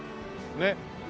ねっ。